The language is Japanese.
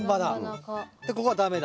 ここは駄目だ？